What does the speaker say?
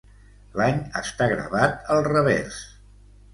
L'any està gravat al revers.